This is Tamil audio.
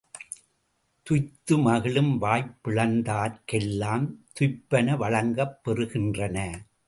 துய்த்து மகிழும் வாய்ப்பிழந்தார்க்கெல்லாம் துய்ப்பன வழங்கப் பெறுகின்றன.